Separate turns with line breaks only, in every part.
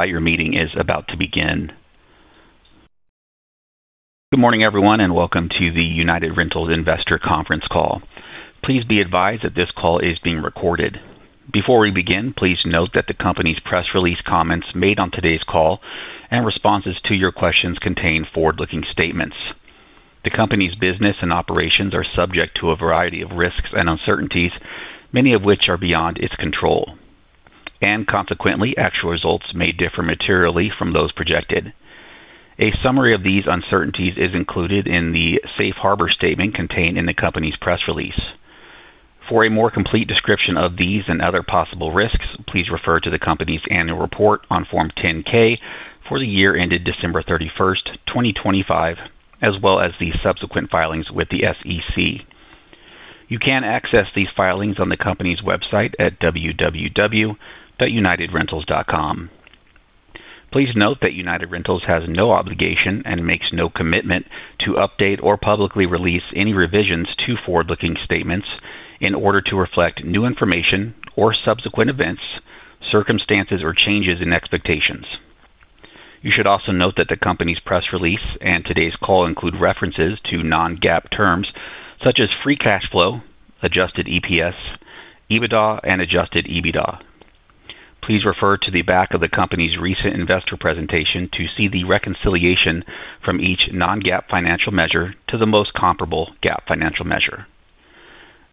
Good morning, everyone, and welcome to the United Rentals Investor conference call. Please be advised that this call is being recorded. Before we begin, please note that the company's press release comments made on today's call and responses to your questions contain forward-looking statements. The company's business and operations are subject to a variety of risks and uncertainties, many of which are beyond its control. And consequently, actual results may differ materially from those projected. A summary of these uncertainties is included in the safe harbor statement contained in the company's press release. For a more complete description of these and other possible risks, please refer to the company's annual report on Form 10-K for the year ended December 31st, 2025, as well as the subsequent filings with the SEC. You can access these filings on the company's website at www.unitedrentals.com. Please note that United Rentals has no obligation and makes no commitment to update or publicly release any revisions to forward-looking statements in order to reflect new information or subsequent events, circumstances, or changes in expectations. You should also note that the company's press release and today's call include references to non-GAAP terms such as free cash flow, Adjusted EPS, EBITDA, and Adjusted EBITDA. Please refer to the back of the company's recent investor presentation to see the reconciliation from each non-GAAP financial measure to the most comparable GAAP financial measure.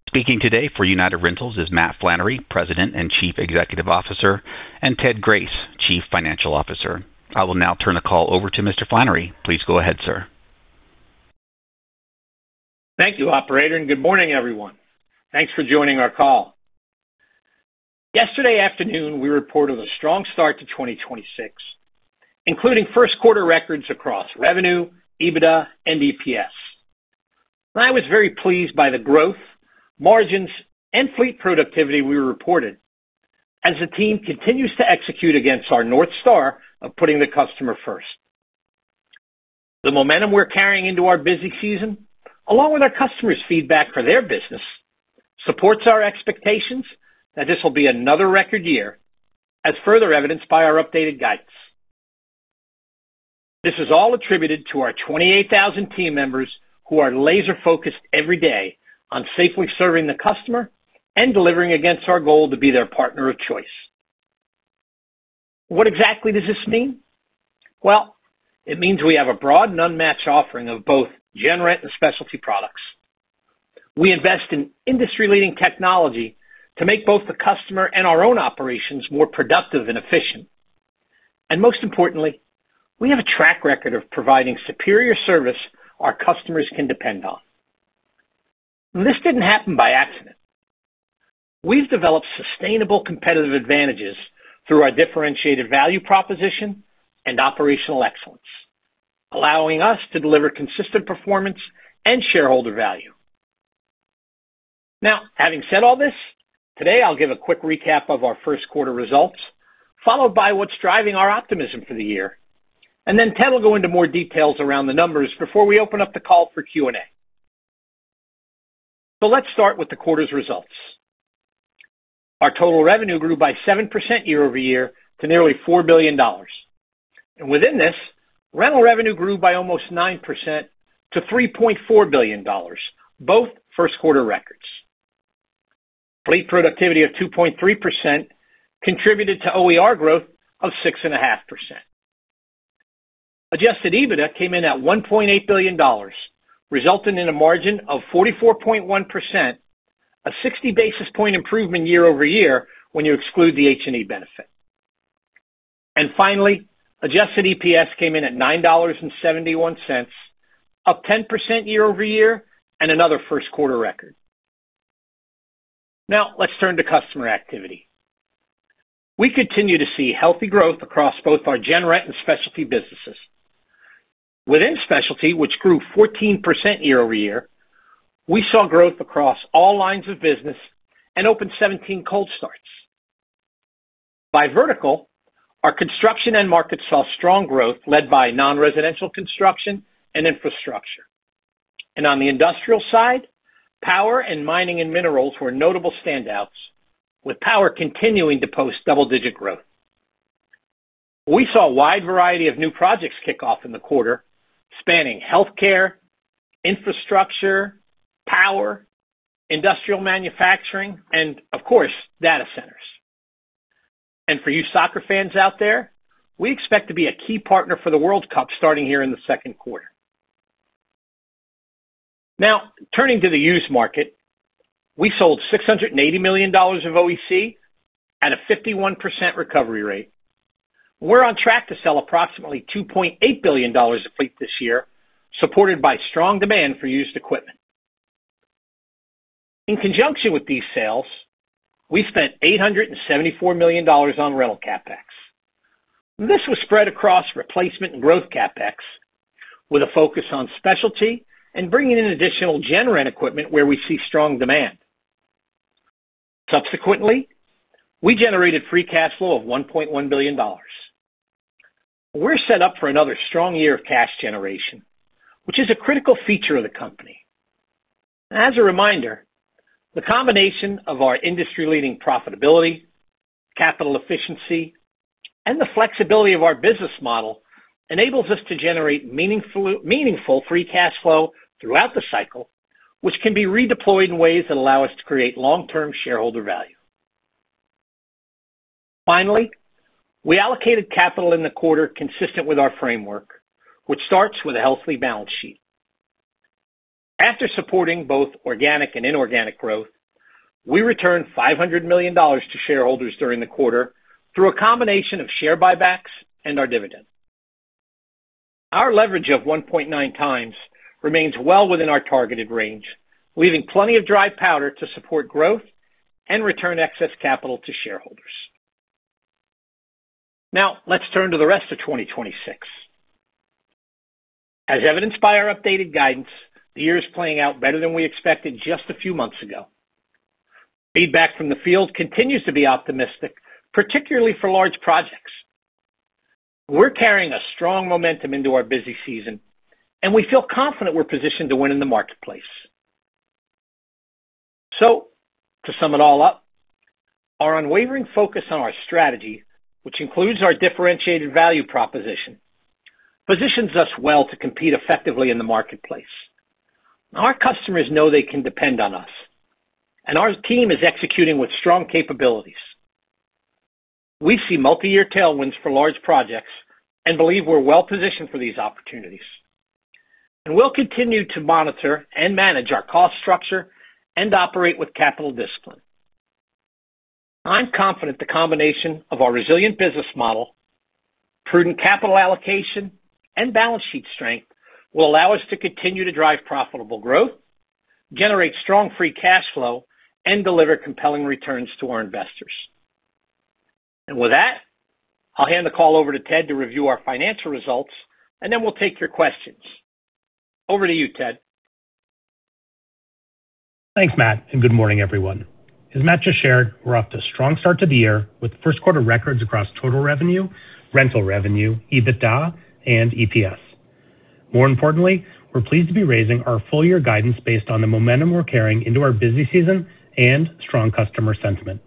Speaking today for United Rentals is Matt Flannery, President and Chief Executive Officer, and Ted Grace, Chief Financial Officer. I will now turn the call over to Mr. Flannery. Please go ahead, sir.
Thank you operator, and good morning everyone. Thanks for joining our call. Yesterday afternoon, we reported a strong start to 2024, including first quarter records across revenue, EBITDA, and EPS. I was very pleased by the growth, margins, and fleet productivity we reported as the team continues to execute against our North Star of putting the customer first. The momentum we're carrying into our busy season, along with our customers' feedback for their business, supports our expectations that this will be another record year, as further evidenced by our updated guidance. This is all attributed to our 28,000 team members who are laser-focused every day on safely serving the customer and delivering against our goal to be their partner of choice. What exactly does this mean? Well, it means we have a broad and unmatched offering of both gen rent and specialty products. We invest in industry-leading technology to make both the customer and our own operations more productive and efficient. Most importantly, we have a track record of providing superior service our customers can depend on. This didn't happen by accident. We've developed sustainable competitive advantages through our differentiated value proposition and operational excellence, allowing us to deliver consistent performance and shareholder value. Now, having said all this, today I'll give a quick recap of our first quarter results, followed by what's driving our optimism for the year, and then Ted will go into more details around the numbers before we open up the call for Q&A. Let's start with the quarter's results. Our total revenue grew by 7% year-over-year to nearly $4 billion. Within this, rental revenue grew by almost 9% to $3.4 billion, both first quarter records. Fleet productivity of 2.3% contributed to OER growth of 6.5%. Adjusted EBITDA came in at $1.8 billion, resulting in a margin of 44.1%, a 60 basis point improvement year-over-year when you exclude the H&E benefit. Finally, adjusted EPS came in at $9.71, up 10% year-over-year and another first quarter record. Now let's turn to customer activity. We continue to see healthy growth across both our gen rent and specialty businesses. Within specialty, which grew 14% year-over-year, we saw growth across all lines of business and opened 17 cold starts. By vertical, our construction end markets saw strong growth led by non-residential construction and infrastructure. On the industrial side, power and mining and minerals were notable standouts, with power continuing to post double-digit growth. We saw a wide variety of new projects kick off in the quarter, spanning healthcare, infrastructure, power, industrial manufacturing, and of course, data centers. For you soccer fans out there, we expect to be a key partner for the World Cup starting here in the second quarter. Now turning to the used market, we sold $680 million of OEC at a 51% recovery rate. We're on track to sell approximately $2.8 billion of fleet this year, supported by strong demand for used equipment. In conjunction with these sales, we spent $874 million on rental CapEx. This was spread across replacement and growth CapEx with a focus on specialty and bringing in additional gen rent equipment where we see strong demand. Subsequently, we generated free cash flow of $1.1 billion. We're set up for another strong year of cash generation, which is a critical feature of the company. As a reminder, the combination of our industry-leading profitability, capital efficiency, and the flexibility of our business model enables us to generate meaningful free cash flow throughout the cycle, which can be redeployed in ways that allow us to create long-term shareholder value. Finally, we allocated capital in the quarter consistent with our framework, which starts with a healthy balance sheet. After supporting both organic and inorganic growth, we returned $500 million to shareholders during the quarter through a combination of share buybacks and our dividend. Our leverage of 1.9x remains well within our targeted range, leaving plenty of dry powder to support growth and return excess capital to shareholders. Now let's turn to the rest of 2026. As evidenced by our updated guidance, the year is playing out better than we expected just a few months ago. Feedback from the field continues to be optimistic, particularly for large projects. We're carrying a strong momentum into our busy season, and we feel confident we're positioned to win in the marketplace. To sum it all up, our unwavering focus on our strategy, which includes our differentiated value proposition, positions us well to compete effectively in the marketplace. Our customers know they can depend on us, and our team is executing with strong capabilities. We see multi-year tailwinds for large projects and believe we're well positioned for these opportunities. We'll continue to monitor and manage our cost structure and operate with capital discipline. I'm confident the combination of our resilient business model, prudent capital allocation, and balance sheet strength will allow us to continue to drive profitable growth, generate strong free cash flow, and deliver compelling returns to our investors. With that, I'll hand the call over to Ted to review our financial results, and then we'll take your questions. Over to you, Ted.
Thanks, Matt, and good morning, everyone. As Matt just shared, we're off to a strong start to the year with first quarter records across total revenue, rental revenue, EBITDA, and EPS. More importantly, we're pleased to be raising our full year guidance based on the momentum we're carrying into our busy season and strong customer sentiment.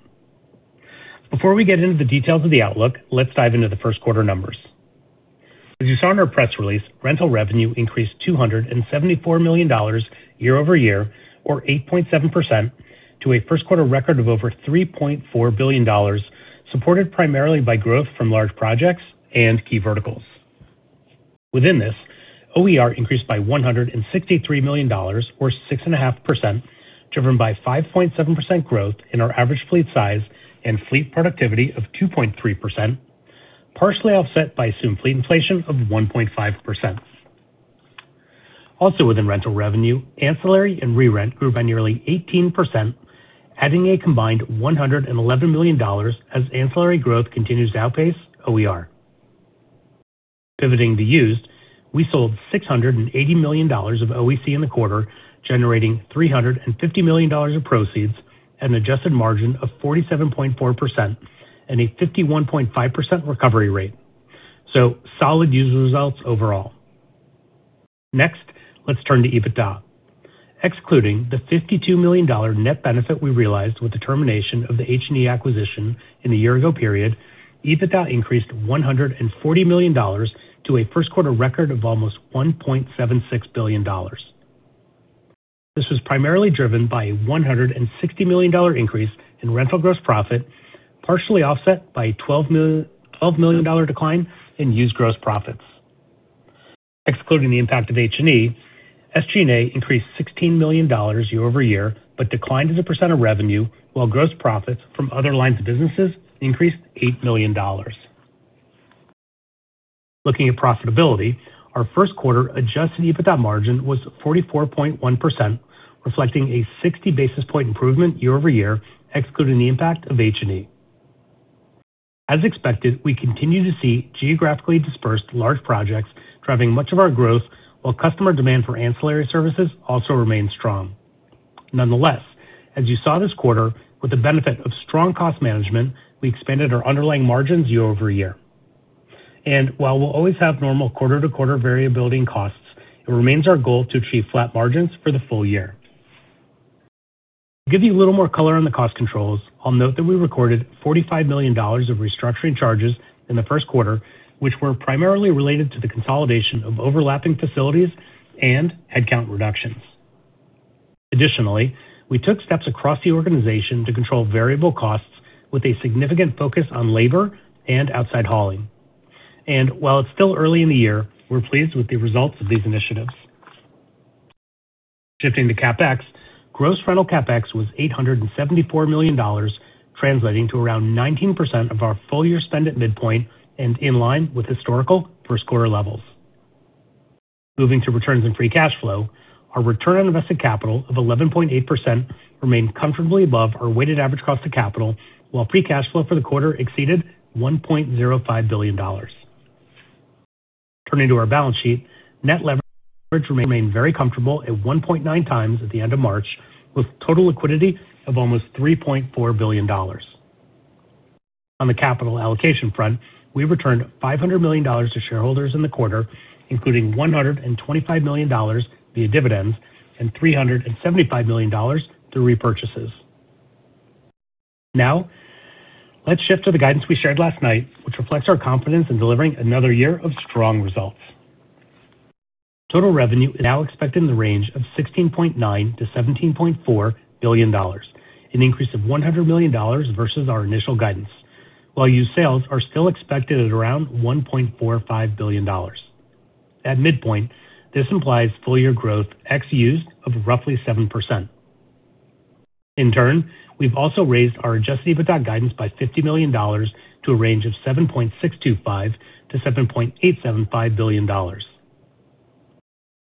Before we get into the details of the outlook, let's dive into the first quarter numbers. As you saw in our press release, rental revenue increased $274 million year-over-year, or 8.7%, to a first quarter record of over $3.4 billion, supported primarily by growth from large projects and key verticals. Within this, OER increased by $163 million or 6.5%, driven by 5.7% growth in our average fleet size and fleet productivity of 2.3%, partially offset by some fleet inflation of 1.5%. Also within rental revenue, ancillary and re-rent grew by nearly 18%, adding a combined $111 million as ancillary growth continues to outpace OER. Pivoting to used, we sold $680 million of OEC in the quarter, generating $350 million of proceeds at an adjusted margin of 47.4% and a 51.5% recovery rate. Solid used results overall. Next, let's turn to EBITDA. Excluding the $52 million net benefit we realized with the termination of the H&E acquisition in the year-ago period, EBITDA increased $140 million to a first quarter record of almost $1.76 billion. This was primarily driven by a $160 million increase in rental gross profit, partially offset by a $12 million decline in used gross profits. Excluding the impact of H&E, SG&A increased $16 million year-over-year, but declined as a percent of revenue, while gross profits from other lines of businesses increased $8 million. Looking at profitability, our first quarter Adjusted EBITDA margin was 44.1%, reflecting a 60 basis points improvement year-over-year, excluding the impact of H&E. As expected, we continue to see geographically dispersed large projects driving much of our growth while customer demand for ancillary services also remains strong. Nonetheless, as you saw this quarter, with the benefit of strong cost management, we expanded our underlying margins year-over-year. While we'll always have normal quarter-to-quarter variability in costs, it remains our goal to achieve flat margins for the full year. To give you a little more color on the cost controls, I'll note that we recorded $45 million of restructuring charges in the first quarter, which were primarily related to the consolidation of overlapping facilities and headcount reductions. Additionally, we took steps across the organization to control variable costs with a significant focus on labor and outside hauling. While it's still early in the year, we're pleased with the results of these initiatives. Shifting to CapEx, gross rental CapEx was $874 million, translating to around 19% of our full year spend at midpoint and in line with historical first quarter levels. Moving to returns and free cash flow, our return on invested capital of 11.8% remained comfortably above our weighted average cost of capital, while free cash flow for the quarter exceeded $1.05 billion. Turning to our balance sheet, net leverage remained very comfortable at 1.9x at the end of March, with total liquidity of almost $3.4 billion. On the capital allocation front, we returned $500 million to shareholders in the quarter, including $125 million via dividends and $375 million through repurchases. Now, let's shift to the guidance we shared last night, which reflects our confidence in delivering another year of strong results. Total revenue is now expected in the range of $16.9-$17.4 billion, an increase of $100 million versus our initial guidance. While used sales are still expected at around $1.45 billion. At midpoint, this implies full year growth ex used of roughly 7%. In turn, we've also raised our Adjusted EBITDA guidance by $50 million to a range of $7.625-$7.875 billion.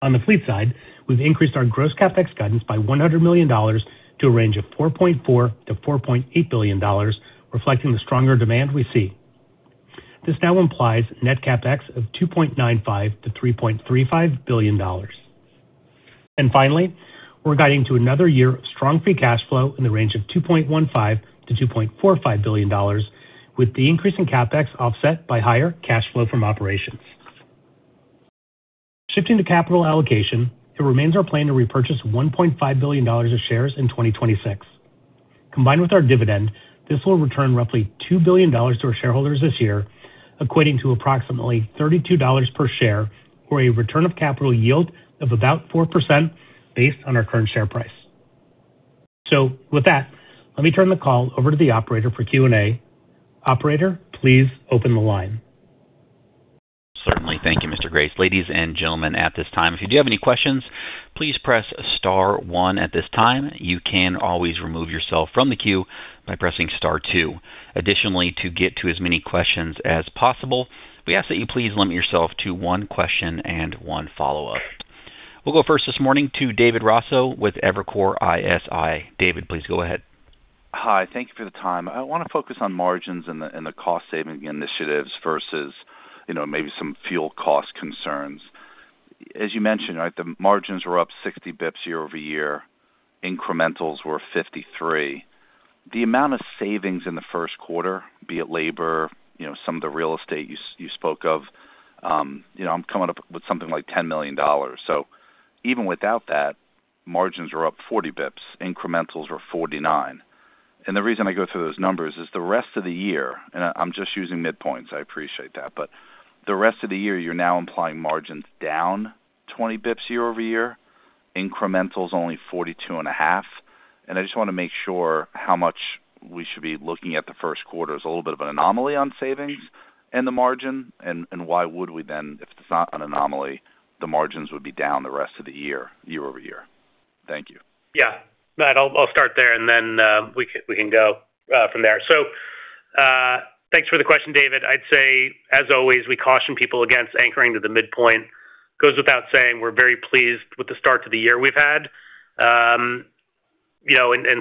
On the fleet side, we've increased our gross CapEx guidance by $100 million to a range of $4.4-$4.8 billion, reflecting the stronger demand we see. This now implies net CapEx of $2.95-$3.35 billion. Finally, we're guiding to another year of strong free cash flow in the range of $2.15-$2.45 billion, with the increase in CapEx offset by higher cash flow from operations. Shifting to capital allocation, it remains our plan to repurchase $1.5 billion of shares in 2026. Combined with our dividend, this will return roughly $2 billion to our shareholders this year, equating to approximately $32 per share or a return of capital yield of about 4% based on our current share price. With that, let me turn the call over to the operator for Q&A. Operator, please open the line.
Certainly. Thank you, Mr. Grace. Ladies and gentlemen, at this time, if you do have any questions, please press star one at this time. You can always remove yourself from the queue by pressing star two. Additionally, to get to as many questions as possible, we ask that you please limit yourself to one question and one follow-up. We'll go first this morning to Dave Raso with Evercore ISI. Dave, please go ahead.
Hi. Thank you for the time. I want to focus on margins and the cost-saving initiatives versus maybe some fuel cost concerns. As you mentioned, the margins were up 60 basis points year-over-year. Incrementals were 53%. The amount of savings in the first quarter, be it labor, some of the real estate you spoke of, I'm coming up with something like $10 million. So even without that, margins are up 40 basis points. Incrementals are 49%. The reason I go through those numbers is the rest of the year, and I'm just using midpoints, I appreciate that, but the rest of the year, you're now implying margins down 20 basis points year-over-year. Incrementals only 42.5%. I just want to make sure how much we should be looking at the first quarter as a little bit of an anomaly on savings and the margin. Why would we then, if it's not an anomaly, the margins would be down the rest of the year-over-year. Thank you.
Yeah. Matt, I'll start there and then we can go from there. Thanks for the question, Dave. I'd say, as always, we caution people against anchoring to the midpoint. Goes without saying, we're very pleased with the start to the year we've had.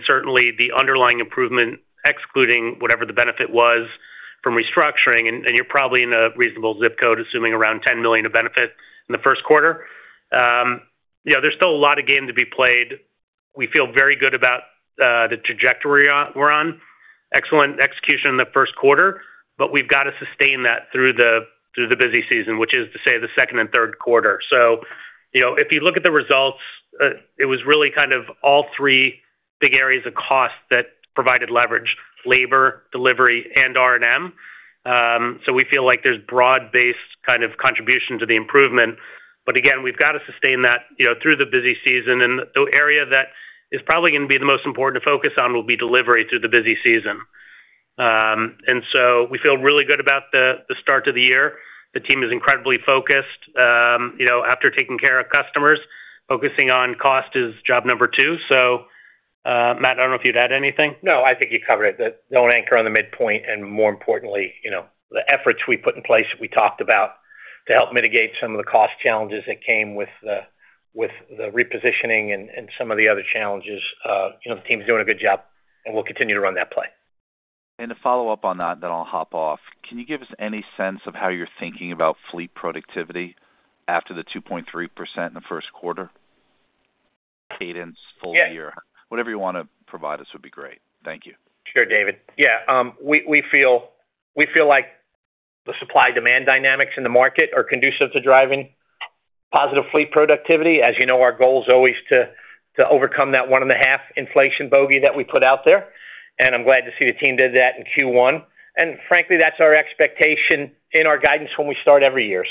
Certainly the underlying improvement, excluding whatever the benefit was from restructuring, and you're probably in a reasonable ZIP code, assuming around $10 million of benefit in the first quarter. There's still a lot of game to be played. We feel very good about the trajectory we're on. Excellent execution in the first quarter, but we've got to sustain that through the busy season, which is to say, the second and third quarter. If you look at the results, it was really kind of all three big areas of cost that provided leverage, labor, delivery, and R&M. We feel like there's broad-based kind of contribution to the improvement. Again, we've got to sustain that through the busy season. The area that is probably going to be the most important to focus on will be delivery through the busy season. We feel really good about the start to the year. The team is incredibly focused. After taking care of customers, focusing on cost is job number two. Matt, I don't know if you'd add anything.
No, I think you covered it. Don't anchor on the midpoint and more importantly, the efforts we put in place that we talked about to help mitigate some of the cost challenges that came with the repositioning and some of the other challenges. The team's doing a good job, and we'll continue to run that play.
To follow up on that, then I'll hop off. Can you give us any sense of how you're thinking about fleet productivity after the 2.3% in the first quarter? Cadence full year.
Yeah.
Whatever you want to provide us would be great. Thank you.
Sure, Dave. Yeah, we feel like the supply-demand dynamics in the market are conducive to driving positive fleet productivity. As you know, our goal is always to overcome that 1.5% inflation bogey that we put out there, and I'm glad to see the team did that in Q1. Frankly, that's our expectation in our guidance when we start every year.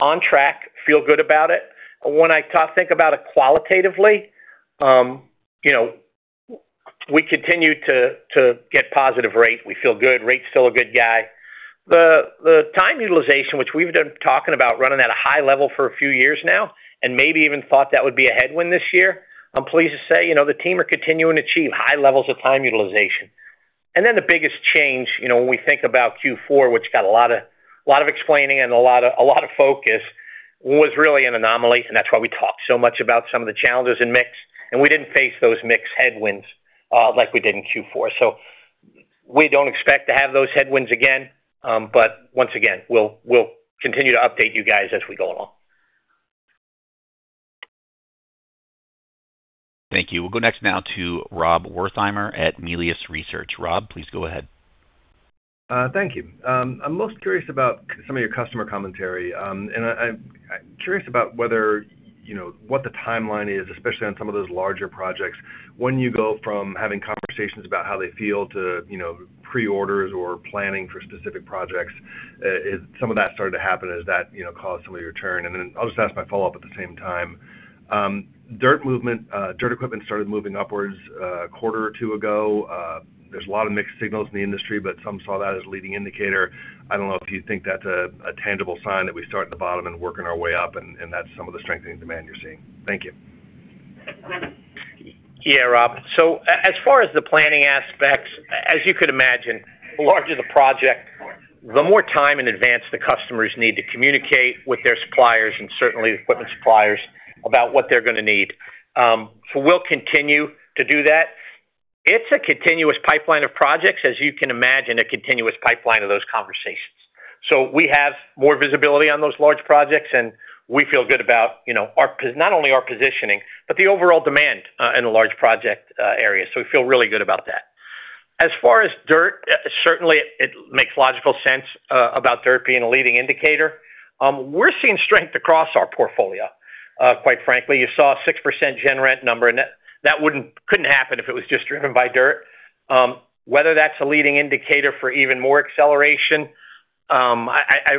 On track, feel good about it. When I think about it qualitatively, we continue to get positive rate. We feel good. Rate's still a good guy. The time utilization, which we've been talking about running at a high level for a few years now, and maybe even thought that would be a headwind this year, I'm pleased to say, the team are continuing to achieve high levels of time utilization. Then the biggest change, when we think about Q4, which got a lot of explaining and a lot of focus, was really an anomaly, and that's why we talked so much about some of the challenges in mix. We didn't face those mix headwinds like we did in Q4. We don't expect to have those headwinds again. Once again, we'll continue to update you guys as we go along.
Thank you. We'll go next now to Rob Wertheimer at Melius Research. Rob, please go ahead.
Thank you. I'm most curious about some of your customer commentary. I'm curious about what the timeline is, especially on some of those larger projects when you go from having conversations about how they feel to pre-orders or planning for specific projects. Some of that started to happen. Has that caused some of your turn? Then I'll just ask my follow-up at the same time. Dirt equipment started moving upwards a quarter or two ago. There's a lot of mixed signals in the industry, but some saw that as leading indicator. I don't know if you think that's a tangible sign that we start at the bottom and working our way up, and that's some of the strengthening demand you're seeing. Thank you.
Yeah, Rob. As far as the planning aspects, as you could imagine, the larger the project, the more time in advance the customers need to communicate with their suppliers and certainly equipment suppliers about what they're going to need. We'll continue to do that. It's a continuous pipeline of projects, as you can imagine, a continuous pipeline of those conversations. We have more visibility on those large projects, and we feel good about not only our positioning, but the overall demand in the large project area. We feel really good about that. As far as dirt, certainly it makes logical sense about dirt being a leading indicator. We're seeing strength across our portfolio, quite frankly. You saw a 6% general rentals number, and that couldn't happen if it was just driven by dirt. Whether that's a leading indicator for even more acceleration, I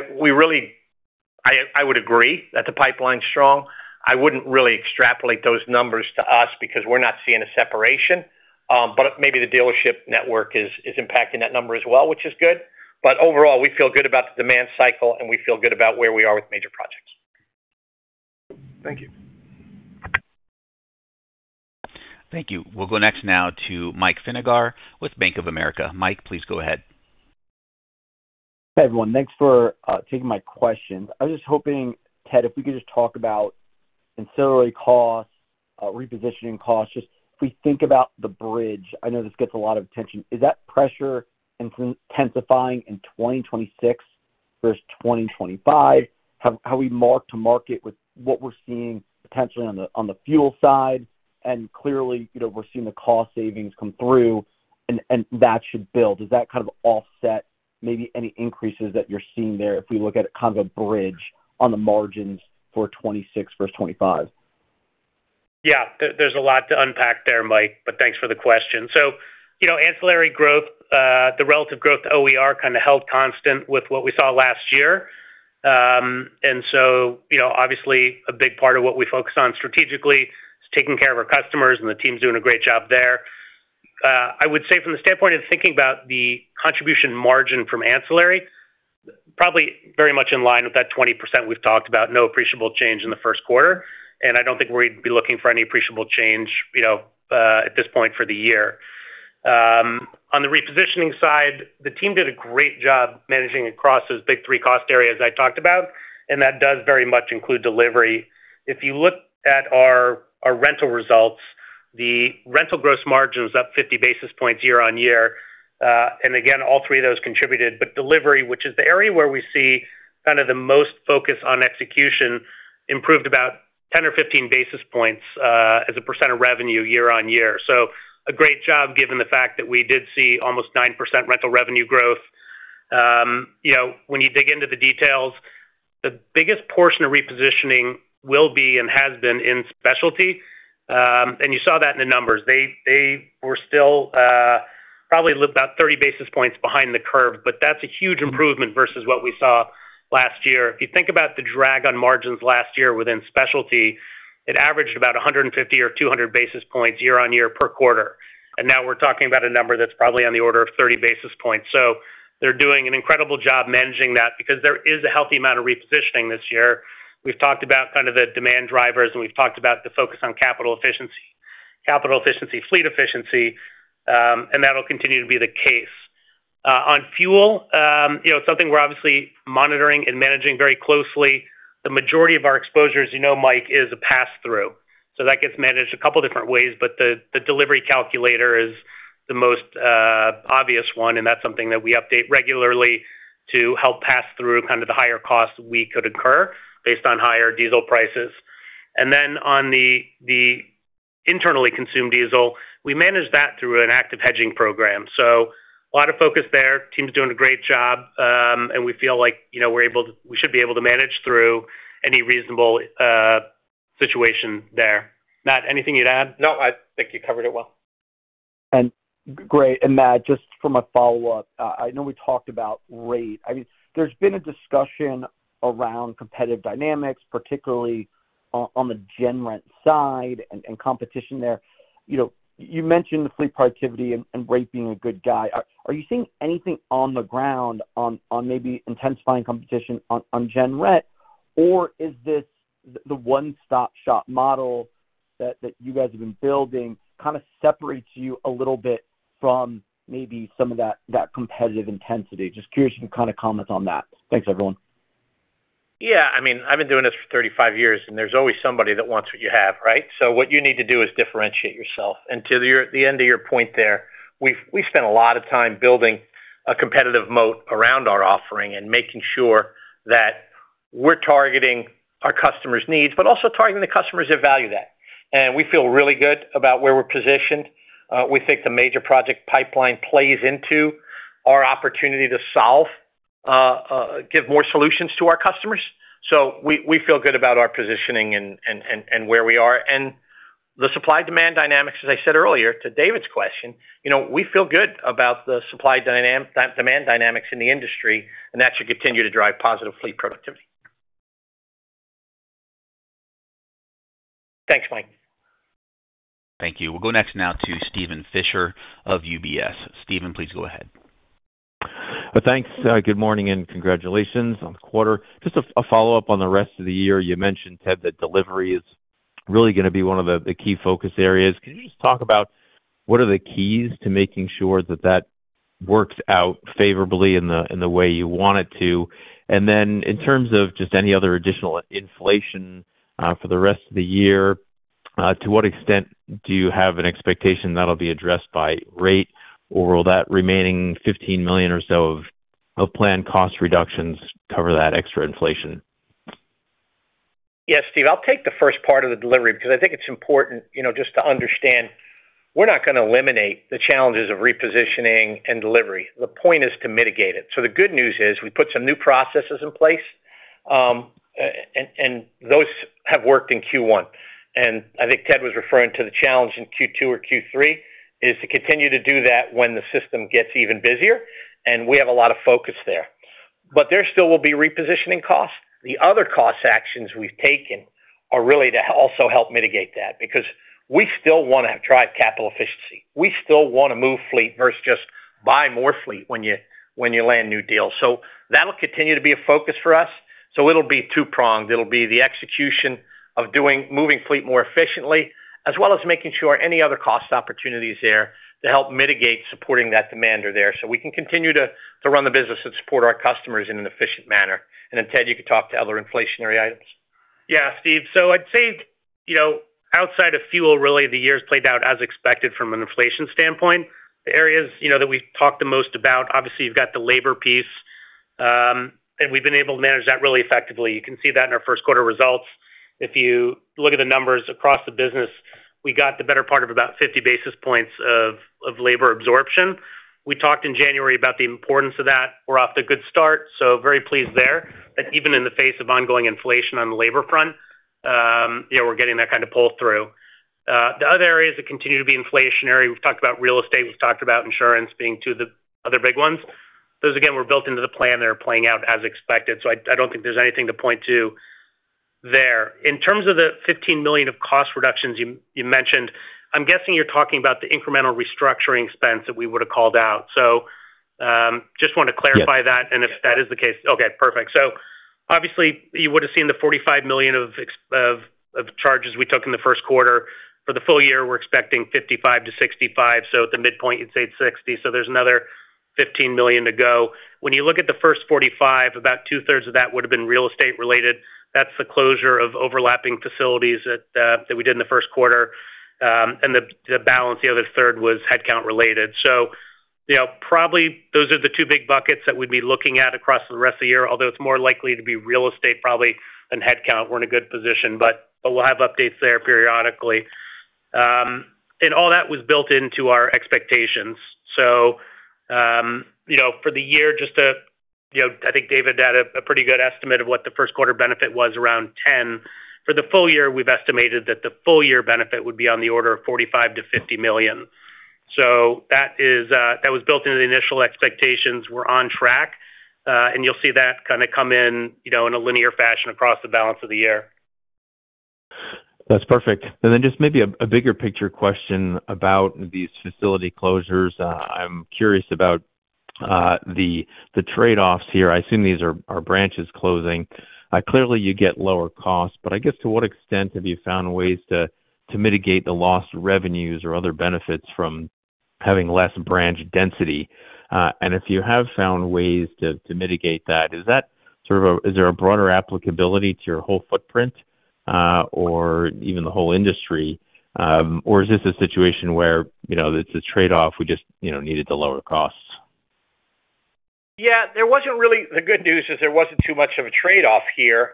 would agree that the pipeline's strong. I wouldn't really extrapolate those numbers to us because we're not seeing a separation. Maybe the dealership network is impacting that number as well, which is good. Overall, we feel good about the demand cycle, and we feel good about where we are with major projects.
Thank you.
Thank you. We'll go next now to Mike Feniger with Bank of America. Mike, please go ahead.
Hey, everyone. Thanks for taking my question. I was just hoping, Ted, if we could just talk about ancillary costs, repositioning costs, just if we think about the bridge. I know this gets a lot of attention. Is that pressure intensifying in 2026 versus 2025, how we mark to market with what we're seeing potentially on the fuel side? Clearly, we're seeing the cost savings come through, and that should build. Does that kind of offset maybe any increases that you're seeing there, if we look at it kind of a bridge on the margins for 2026 versus 2025?
Yeah. There's a lot to unpack there, Mike, but thanks for the question. Ancillary growth, the relative growth to OER kind of held constant with what we saw last year. Obviously a big part of what we focus on strategically is taking care of our customers, and the team's doing a great job there. I would say from the standpoint of thinking about the contribution margin from ancillary, probably very much in line with that 20% we've talked about. No appreciable change in the first quarter, and I don't think we'd be looking for any appreciable change at this point for the year. On the repositioning side, the team did a great job managing across those big three cost areas I talked about, and that does very much include delivery. If you look at our rental results, the rental gross margin was up 50 basis points year-on-year. Again, all three of those contributed. Delivery, which is the area where we see kind of the most focus on execution, improved about 10 or 15 basis points as a percent of revenue year-on-year. A great job given the fact that we did see almost 9% rental revenue growth. When you dig into the details, the biggest portion of repositioning will be and has been in specialty. You saw that in the numbers. They were still probably about 30 basis points behind the curve, but that's a huge improvement versus what we saw last year. If you think about the drag on margins last year within specialty, it averaged about 150 or 200 basis points year-on-year per quarter. Now we're talking about a number that's probably on the order of 30 basis points. So they're doing an incredible job managing that because there is a healthy amount of repositioning this year. We've talked about kind of the demand drivers, and we've talked about the focus on capital efficiency. Capital efficiency, fleet efficiency, and that'll continue to be the case. On fuel, something we're obviously monitoring and managing very closely. The majority of our exposures, you know, Mike, is a pass-through. That gets managed a couple different ways, but the delivery calculator is the most obvious one, and that's something that we update regularly to help pass through kind of the higher costs we could incur based on higher diesel prices. Then on the internally consumed diesel, we manage that through an active hedging program. A lot of focus there. Team's doing a great job. We feel like we should be able to manage through any reasonable situation there. Matt, anything you'd add?
No, I think you covered it well.
Great. Matt, just from a follow-up, I know we talked about rate. There's been a discussion around competitive dynamics, particularly on the general rentals side and competition there. You mentioned fleet productivity and rate being a good guide. Are you seeing anything on the ground on maybe intensifying competition on general rentals? Or is this the one-stop shop model that you guys have been building kind of separates you a little bit from maybe some of that competitive intensity? Just curious if you can kind of comment on that. Thanks, everyone.
Yeah. I've been doing this for 35 years, and there's always somebody that wants what you have, right? What you need to do is differentiate yourself. To the end of your point there, we've spent a lot of time building a competitive moat around our offering and making sure that we're targeting our customers' needs, but also targeting the customers that value that. We feel really good about where we're positioned. We think the major project pipeline plays into our opportunity to solve, give more solutions to our customers. We feel good about our positioning and where we are. The supply-demand dynamics, as I said earlier to Dave's question, we feel good about the supply demand, that demand dynamics in the industry, and that should continue to drive positive fleet productivity. Thanks, Mike.
Thank you. We'll go next now to Steven Fisher of UBS. Steven, please go ahead.
Thanks. Good morning, and congratulations on the quarter. Just a follow-up on the rest of the year. You mentioned, Ted, that delivery is really going to be one of the key focus areas. Can you just talk about what are the keys to making sure that that works out favorably in the way you want it to? And then in terms of just any other additional inflation for the rest of the year, to what extent do you have an expectation that'll be addressed by rate, or will that remaining $15 million or so of planned cost reductions cover that extra inflation?
Yeah, Steve, I'll take the first part of the delivery because I think it's important just to understand we're not going to eliminate the challenges of repositioning and delivery. The point is to mitigate it. The good news is we put some new processes in place, and those have worked in Q1. I think Ted was referring to the challenge in Q2 or Q3 is to continue to do that when the system gets even busier, and we have a lot of focus there. There still will be repositioning costs. The other cost actions we've taken are really to also help mitigate that, because we still want to drive capital efficiency. We still want to move fleet versus just buy more fleet when you land new deals. That'll continue to be a focus for us. It'll be two-pronged. It'll be the execution of doing moving fleet more efficiently, as well as making sure any other cost opportunities there to help mitigate supporting that demand are there, so we can continue to run the business and support our customers in an efficient manner. Then Ted, you could talk to other inflationary items.
Yeah, Steve. I'd say, outside of fuel, really, the year's played out as expected from an inflation standpoint. The areas that we've talked the most about, obviously you've got the labor piece, and we've been able to manage that really effectively. You can see that in our first quarter results. If you look at the numbers across the business, we got the better part of about 50 basis points of labor absorption. We talked in January about the importance of that. We're off to a good start, so very pleased there. That even in the face of ongoing inflation on the labor front, we're getting that kind of pull-through. The other areas that continue to be inflationary, we've talked about real estate, we've talked about insurance being two of the other big ones. Those, again, were built into the plan. They're playing out as expected. I don't think there's anything to point to there. In terms of the $15 million of cost reductions you mentioned, I'm guessing you're talking about the incremental restructuring expense that we would have called out. I just want to clarify that.
Yes.
Okay, perfect. Obviously you would have seen the $45 million of charges we took in the first quarter. For the full year, we're expecting $55million-$65million. At the midpoint, you'd say $60million. There's another $15 million to go. When you look at the first $45million, about two-thirds of that would have been real estate related. That's the closure of overlapping facilities that we did in the first quarter. The balance, the other third, was headcount related. Probably those are the two big buckets that we'd be looking at across the rest of the year, although it's more likely to be real estate probably than headcount. We're in a good position. We'll have updates there periodically. All that was built into our expectations. For the year, I think Dave had a pretty good estimate of what the first quarter benefit was, around $10million. For the full year, we've estimated that the full year benefit would be on the order of $45million-$50 million. That was built into the initial expectations. We're on track. You'll see that kind of come in a linear fashion across the balance of the year.
That's perfect. Just maybe a bigger picture question about these facility closures. I'm curious about the trade-offs here. I assume these are branches closing. Clearly, you get lower costs, but I guess to what extent have you found ways to mitigate the lost revenues or other benefits from having less branch density? If you have found ways to mitigate that, is there a broader applicability to your whole footprint, or even the whole industry? Is this a situation where it's a trade-off, we just needed to lower costs?
Yeah. The good news is there wasn't too much of a trade-off here,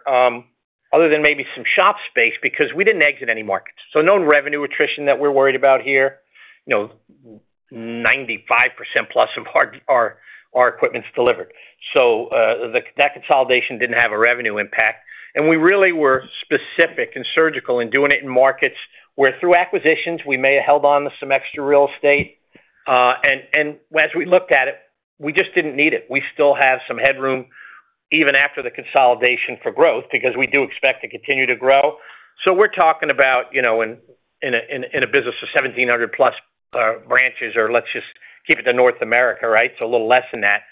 other than maybe some shop space, because we didn't exit any markets. No revenue attrition that we're worried about here. 95% plus of our equipment's delivered. That consolidation didn't have a revenue impact. We really were specific and surgical in doing it in markets where through acquisitions, we may have held on to some extra real estate. As we looked at it, we just didn't need it. We still have some headroom, even after the consolidation, for growth, because we do expect to continue to grow. We're talking about in a business of 1,700 plus branches, or let's just keep it to North America. A little less than that.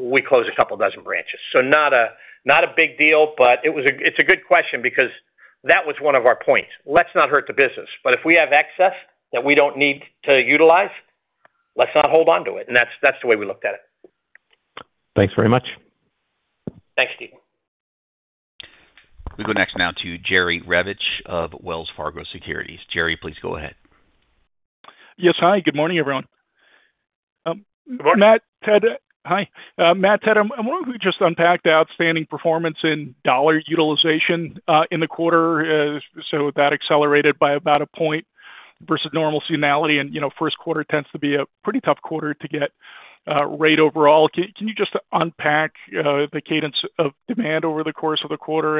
We closed a couple dozen branches. Not a big deal, but it's a good question because that was one of our points. Let's not hurt the business. If we have excess that we don't need to utilize, let's not hold onto it. That's the way we looked at it.
Thanks very much.
Thanks, Steve.
We go next now to Jerry Revich of Wells Fargo Securities. Jerry, please go ahead.
Yes. Hi, good morning, everyone.
Good morning.
Matt, Ted. Hi. Matt, Ted, I wonder if we could just unpack the outstanding performance in dollar utilization in the quarter. That accelerated by about a point versus normalcy. First quarter tends to be a pretty tough quarter to get rate overall. Can you just unpack the cadence of demand over the course of the quarter?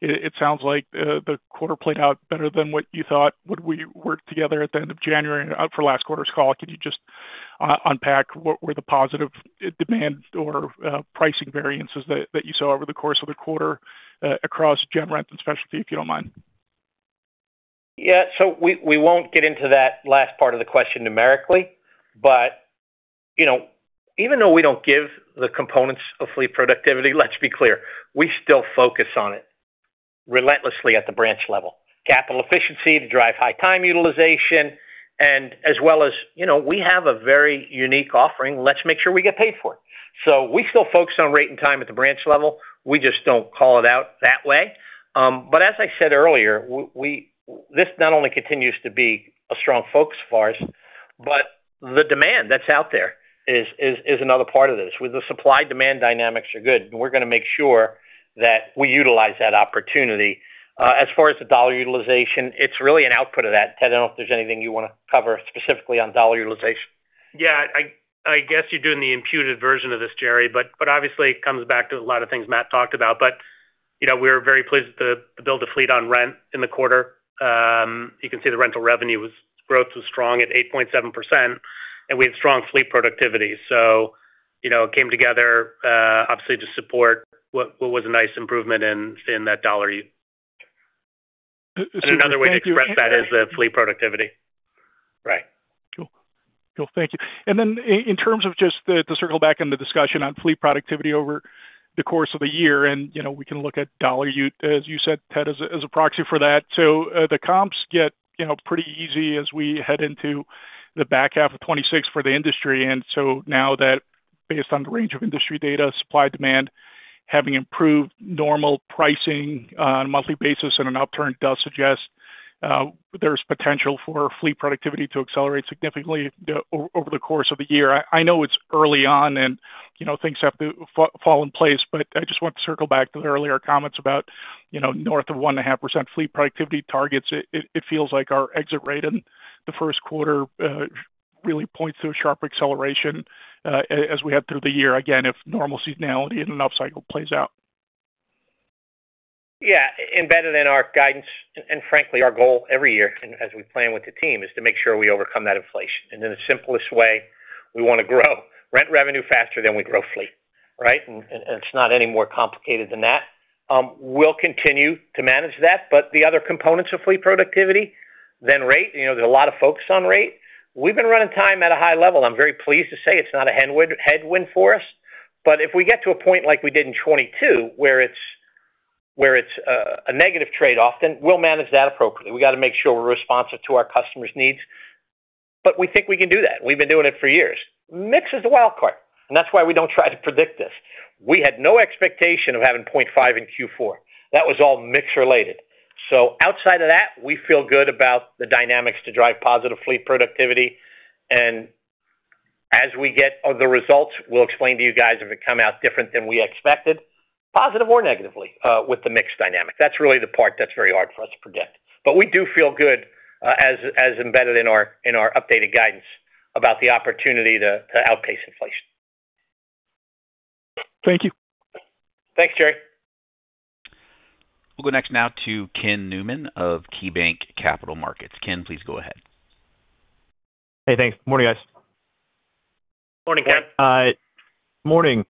It sounds like the quarter played out better than what you thought when we worked together at the end of January for last quarter's call. Can you just unpack what were the positive demand or pricing variances that you saw over the course of the quarter, across gen rent and specialty, if you don't mind?
Yeah. We won't get into that last part of the question numerically, but even though we don't give the components of fleet productivity, let's be clear, we still focus on it relentlessly at the branch level. Capital efficiency to drive high time utilization, and as well as we have a very unique offering. Let's make sure we get paid for it. We still focus on rate and time at the branch level. We just don't call it out that way. As I said earlier, this not only continues to be a strong focus for us, but the demand that's out there is another part of this. The supply-demand dynamics are good, and we're going to make sure that we utilize that opportunity. As far as the dollar utilization, it's really an output of that. Ted, I don't know if there's anything you want to cover specifically on dollar utilization.
Yeah. I guess you're doing the imputed version of this, Jerry, but obviously it comes back to a lot of things Matt talked about. But we're very pleased to build a fleet on rent in the quarter. You can see the rental revenue growth was strong at 8.7%, and we have strong fleet productivity. It came together, obviously, to support what was a nice improvement in dollar utilization, and another way to express that is the fleet productivity.
Right. Cool. Thank you. Then in terms of just to circle back on the discussion on fleet productivity over the course of a year, and we can look at dollar yield, as you said, Ted, as a proxy for that. The comps get pretty easy as we head into the back half of 2026 for the industry. Now that based on the range of industry data, supply, demand, having improved normal pricing on a monthly basis and an upturn does suggest there's potential for fleet productivity to accelerate significantly over the course of the year. I know it's early on and things have to fall in place, but I just want to circle back to the earlier comments about north of 1.5% fleet productivity targets. It feels like our exit rate in the first quarter really points to a sharp acceleration as we head through the year. Again, if normalcy, seasonality in an upcycle plays out.
Yeah, embedded in our guidance and frankly, our goal every year as we plan with the team is to make sure we overcome that inflation. In the simplest way, we want to grow rent revenue faster than we grow fleet. Right. It's not any more complicated than that. We'll continue to manage that, but the other components of fleet productivity, then rate, there's a lot of focus on rate. We've been running time at a high level. I'm very pleased to say it's not a headwind for us. But if we get to a point like we did in 2022, where it's a negative trade-off, then we'll manage that appropriately. We got to make sure we're responsive to our customers' needs, but we think we can do that. We've been doing it for years. Mix is the wild card, and that's why we don't try to predict this. We had no expectation of having 0.5 in Q4. That was all mix related. Outside of that, we feel good about the dynamics to drive positive fleet productivity. As we get the results, we'll explain to you guys if it come out different than we expected, positive or negatively with the mix dynamic. That's really the part that's very hard for us to predict. We do feel good, as embedded in our updated guidance about the opportunity to outpace inflation.
Thank you.
Thanks, Jerry.
We'll go next now to Ken Newman of KeyBanc Capital Markets. Ken, please go ahead.
Hey, thanks. Morning, guys.
Morning, Ken.
Morning.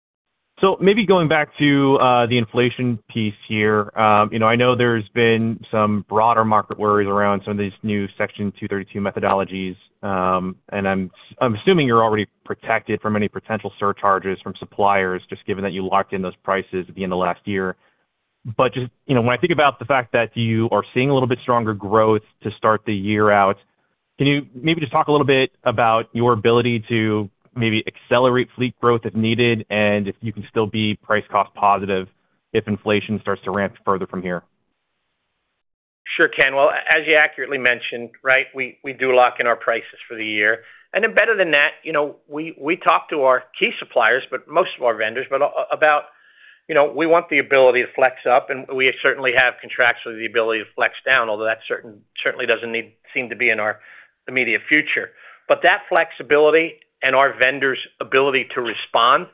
Maybe going back to the inflation piece here. I know there's been some broader market worries around some of these new Section 232 methodologies. I'm assuming you're already protected from any potential surcharges from suppliers, just given that you locked in those prices at the end of last year. Just when I think about the fact that you are seeing a little bit stronger growth to start the year out, can you maybe just talk a little bit about your ability to maybe accelerate fleet growth if needed, and if you can still be price-cost positive if inflation starts to ramp further from here?
Sure, Ken. Well, as you accurately mentioned, right, we do lock in our prices for the year. Better than that, we talk to our key suppliers. Most of our vendors, we want the ability to flex up, and we certainly have contracts with the ability to flex down, although that certainly doesn't seem to be in the immediate future. That flexibility and our vendors' ability to respond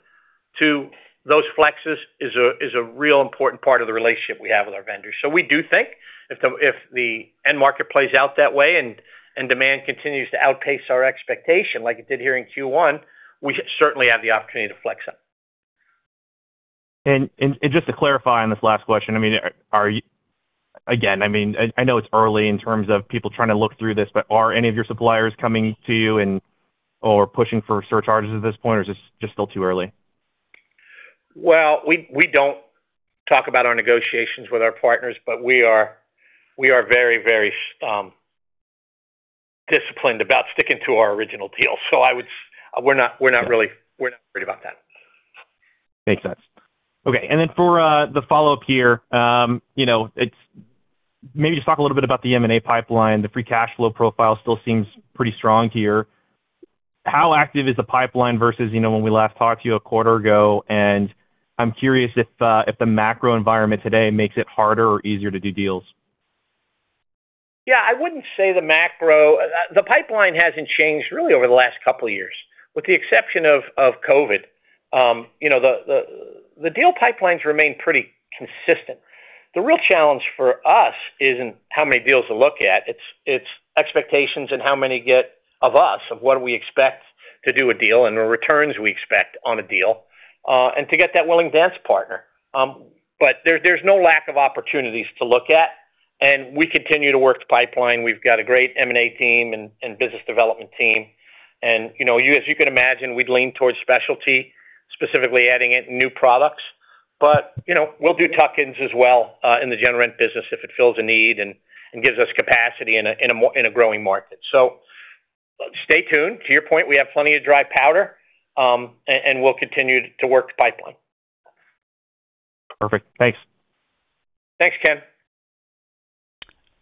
to those flexes is a real important part of the relationship we have with our vendors. We do think if the end market plays out that way and demand continues to outpace our expectation like it did here in Q1, we certainly have the opportunity to flex up.
Just to clarify on this last question, again, I know it's early in terms of people trying to look through this, but are any of your suppliers coming to you or pushing for surcharges at this point, or is this just still too early?
Well, we don't talk about our negotiations with our partners, but we are very disciplined about sticking to our original deal. We're not worried about that.
Makes sense. Okay, for the follow-up here, maybe just talk a little bit about the M&A pipeline. The free cash flow profile still seems pretty strong here. How active is the pipeline versus when we last talked to you a quarter ago? I'm curious if the macro environment today makes it harder or easier to do deals.
The pipeline hasn't changed really over the last couple of years. With the exception of COVID, the deal pipelines remain pretty consistent. The real challenge for us isn't how many deals to look at. It's expectations and how much we get out of what we expect to do a deal and the returns we expect on a deal, and to get that willing dance partner. There's no lack of opportunities to look at, and we continue to work the pipeline. We've got a great M&A team and business development team. As you can imagine, we'd lean towards specialty, specifically adding in new products. We'll do tuck-ins as well in the General Rental business if it fills a need and gives us capacity in a growing market. Stay tuned. To your point, we have plenty of dry powder, and we'll continue to work the pipeline.
Perfect. Thanks.
Thanks, Ken.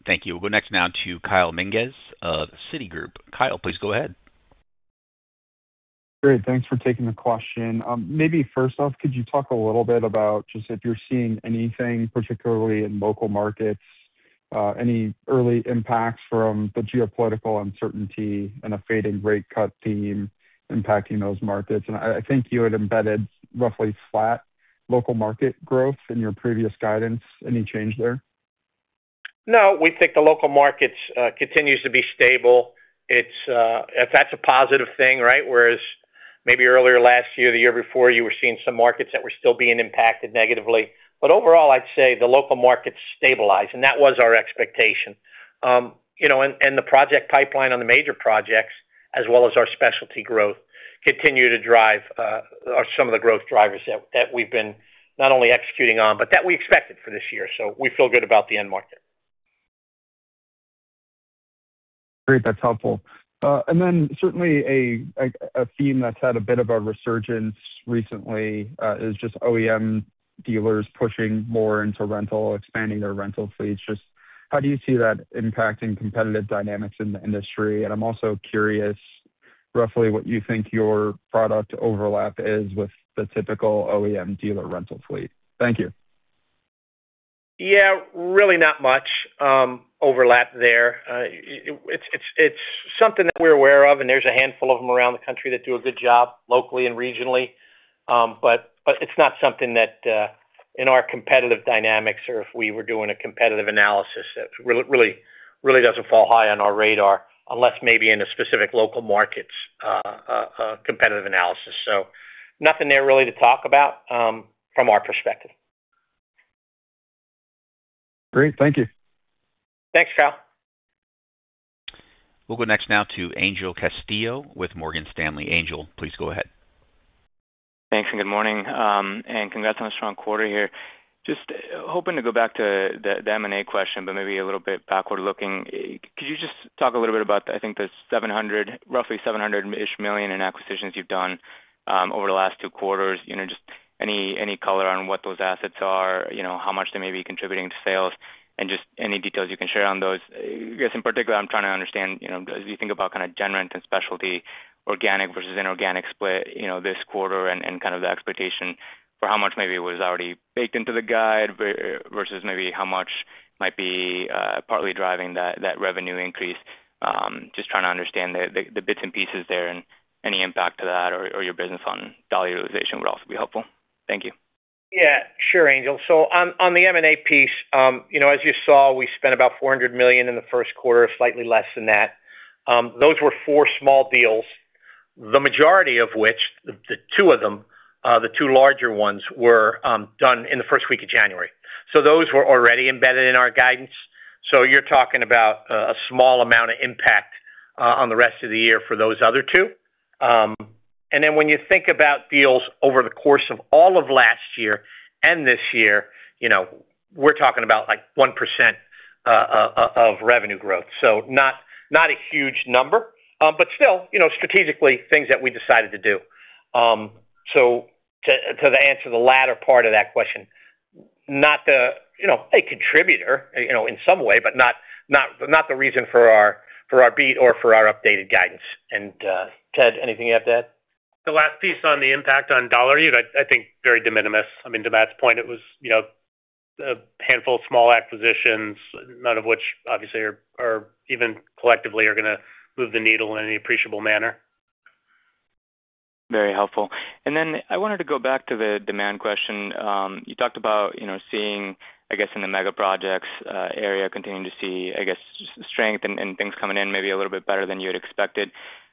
Thank you. We'll go next now to Kyle Menges of Citigroup. Kyle, please go ahead.
Great. Thanks for taking the question. Maybe first off, could you talk a little bit about just if you're seeing anything, particularly in local markets? Any early impacts from the geopolitical uncertainty and a fading rate cut theme impacting those markets? I think you had embedded roughly flat local market growth in your previous guidance. Any change there?
No, we think the local markets continues to be stable. That's a positive thing, right? Whereas maybe earlier last year, the year before, you were seeing some markets that were still being impacted negatively. Overall, I'd say the local markets stabilized, and that was our expectation. The project pipeline on the major projects, as well as our specialty growth, are some of the growth drivers that we've been not only executing on, but that we expected for this year. We feel good about the end market.
Great. That's helpful. Certainly a theme that's had a bit of a resurgence recently is just OEM dealers pushing more into rental, expanding their rental fleets. Just how do you see that impacting competitive dynamics in the industry? I'm also curious roughly what you think your product overlap is with the typical OEM dealer rental fleet. Thank you.
Yeah, really not much overlap there. It's something that we're aware of, and there's a handful of them around the country that do a good job locally and regionally. But it's not something that, in our competitive dynamics or if we were doing a competitive analysis, it really doesn't fall high on our radar unless maybe in a specific local markets competitive analysis. Nothing there really to talk about from our perspective.
Great. Thank you.
Thanks, Kyle.
We'll go next now to Angel Castillo with Morgan Stanley. Angel, please go ahead.
Thanks, and good morning, and congrats on a strong quarter here. Just hoping to go back to the M&A question, but maybe a little bit backward-looking. Could you just talk a little bit about, I think, the roughly $700 million in acquisitions you've done over the last two quarters? Just any color on what those assets are, how much they may be contributing to sales, and just any details you can share on those. I guess, in particular, I'm trying to understand as you think about kind of general rentals and specialty organic versus inorganic split this quarter and kind of the expectation for how much maybe was already baked into the guide versus maybe how much might be partly driving that revenue increase. Just trying to understand the bits and pieces there and any impact to that or your business on dollar utilization would also be helpful. Thank you.
Yeah. Sure, Angel. On the M&A piece, as you saw, we spent about $400 million in the first quarter, slightly less than that. Those were four small deals, the majority of which, the two of them, the two larger ones, were done in the first week of January. Those were already embedded in our guidance. You're talking about a small amount of impact on the rest of the year for those other two. Then when you think about deals over the course of all of last year and this year, we're talking about 1% of revenue growth. Not a huge number. Still, strategically, things that we decided to do. To answer the latter part of that question, a contributor in some way, but not the reason for our beat or for our updated guidance. Ted, anything to add to that?
The last piece on the impact on dollar yield, I think very de minimis. I mean, to Matt's point, it was a handful of small acquisitions, none of which obviously even collectively are going to move the needle in any appreciable manner.
Very helpful. Then I wanted to go back to the demand question. You talked about seeing, I guess, in the mega projects area, continuing to see, I guess, strength and things coming in maybe a little bit better than you had expected,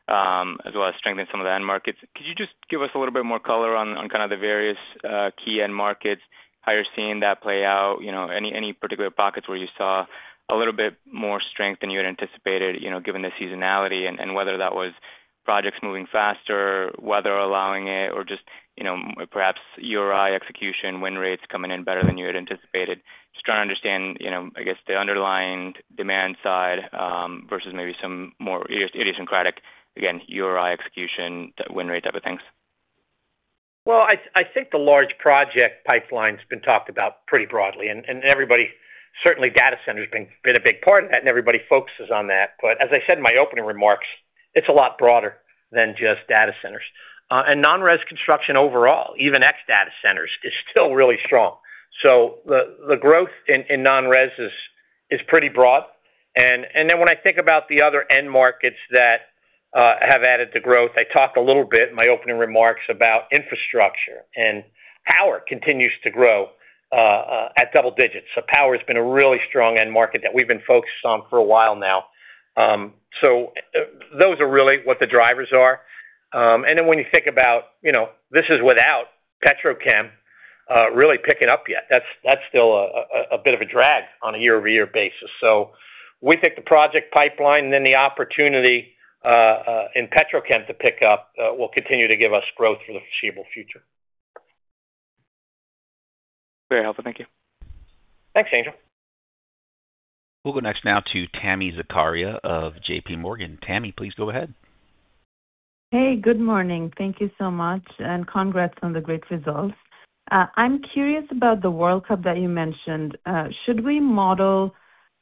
as well as strength in some of the end markets. Could you just give us a little bit more color on kind of the various key end markets, how you're seeing that play out? Any particular pockets where you saw a little bit more strength than you had anticipated given the seasonality? Whether that was projects moving faster, weather allowing it or just perhaps URI execution, win rates coming in better than you had anticipated. Just trying to understand, I guess the underlying demand side versus maybe some more idiosyncratic, again, URI execution, win rate type of things.
Well, I think the large project pipeline's been talked about pretty broadly, and everybody certainly data centers have been a big part of that, and everybody focuses on that. As I said in my opening remarks, it's a lot broader than just data centers. Non-res construction overall, even ex data centers, is still really strong. The growth in non-res is pretty broad. When I think about the other end markets that have added to growth, I talked a little bit in my opening remarks about infrastructure. Power continues to grow at double digits. Power has been a really strong end market that we've been focused on for a while now. Those are really what the drivers are. When you think about it, this is without petrochem really picking up yet. That's still a bit of a drag on a year-over-year basis. We think the project pipeline and the opportunity in petrochem to pick up will continue to give us growth for the foreseeable future.
Very helpful. Thank you.
Thanks, Angel.
We'll go next now to Tami Zakaria of JPMorgan. Tami, please go ahead.
Hey, good morning. Thank you so much and congrats on the great results. I'm curious about the World Cup that you mentioned. Should we model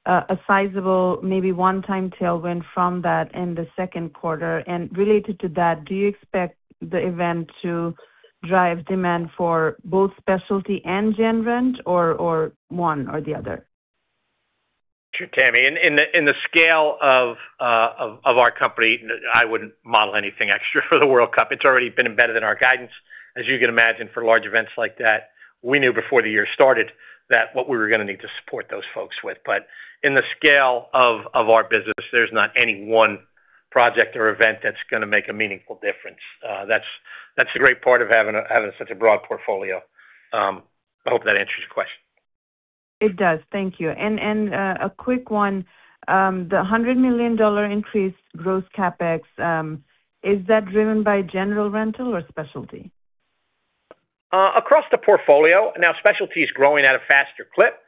a sizable, maybe one-time tailwind from that in the second quarter? Related to that, do you expect the event to drive demand for both specialty and gen rent or one or the other?
Sure, Tami. In the scale of our company, I wouldn't model anything extra for the World Cup. It's already been embedded in our guidance. As you can imagine, for large events like that, we knew before the year started that what we were going to need to support those folks with. In the scale of our business, there's not any one project or event that's going to make a meaningful difference. That's the great part of having such a broad portfolio. I hope that answers your question.
It does. Thank you. A quick one, the $100 million increase in gross CapEx, is that driven by general rental or specialty?
Across the portfolio. Now, specialty is growing at a faster clip,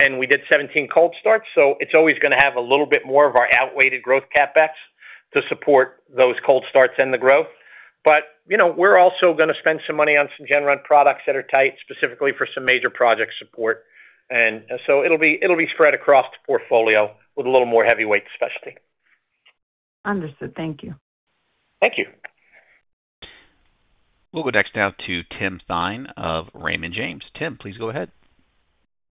and we did 17 cold starts, so it's always going to have a little bit more of our outweighed growth CapEx to support those cold starts and the growth. But we're also going to spend some money on some general rental products that are tight, specifically for some major project support. It'll be spread across the portfolio with a little more heavyweight specialty.
Understood. Thank you.
Thank you.
We'll go next now to Tim Thein of Raymond James. Tim, please go ahead.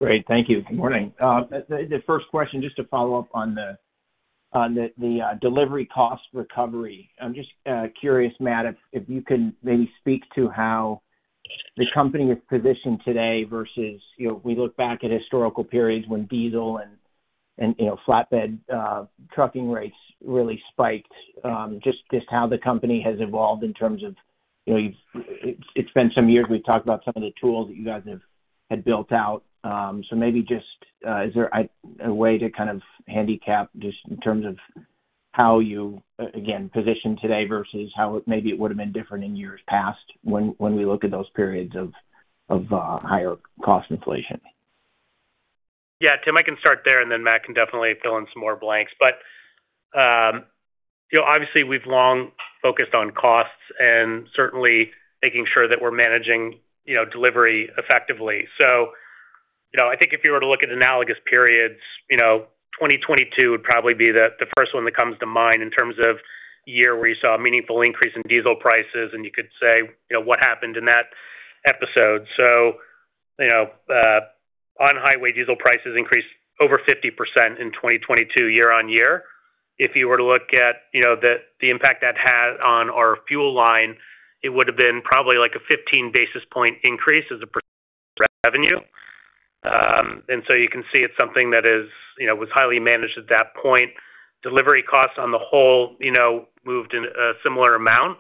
Great. Thank you. Good morning. The first question, just to follow up on the delivery cost recovery. I'm just curious, Matt, if you can maybe speak to how the company is positioned today versus if we look back at historical periods when diesel and flatbed trucking rates really spiked, just how the company has evolved in terms of. It's been some years, we've talked about some of the tools that you guys had built out. Maybe just, is there a way to kind of handicap just in terms of how you, again, positioned today versus how maybe it would've been different in years past when we look at those periods of higher cost inflation?
Yeah, Tim, I can start there, and then Matt can definitely fill in some more blanks. Obviously, we've long focused on costs and certainly making sure that we're managing delivery effectively. I think if you were to look at analogous periods, 2022 would probably be the first one that comes to mind in terms of year where you saw a meaningful increase in diesel prices, and you could say, what happened in that episode. On-highway diesel prices increased over 50% in 2022 year-over-year. If you were to look at the impact that had on our fuel line, it would've been probably like a 15 basis point increase as a revenue. You can see it's something that was highly managed at that point. Delivery costs on the whole moved in a similar amount.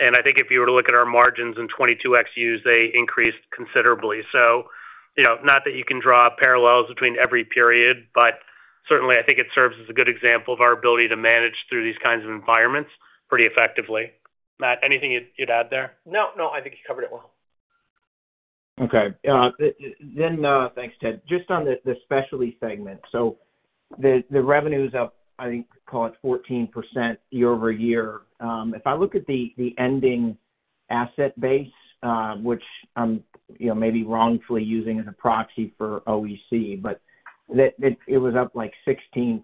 I think if you were to look at our margins in 2022 Qs, they increased considerably. Not that you can draw parallels between every period, but certainly I think it serves as a good example of our ability to manage through these kinds of environments pretty effectively. Matt, anything you'd add there?
No. I think you covered it well.
Okay. Thanks, Ted. Just on the specialty segment. The revenue's up, I think, call it 14% year-over-year. If I look at the ending asset base, which I'm maybe wrongfully using as a proxy for OEC, but it was up like 16%.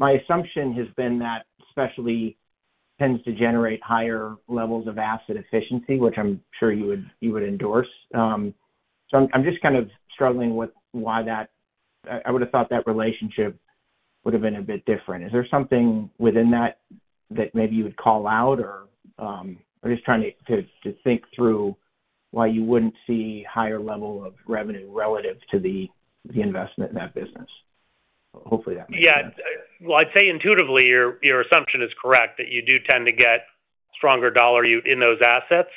My assumption has been that specialty tends to generate higher levels of asset efficiency, which I'm sure you would endorse. I'm just kind of struggling with why that I would've thought that relationship would've been a bit different. Is there something within that that maybe you would call out? Or just trying to think through why you wouldn't see higher level of revenue relative to the investment in that business. Hopefully that makes sense.
Yeah. Well, I'd say intuitively, your assumption is correct, that you do tend to get stronger dollar in those assets.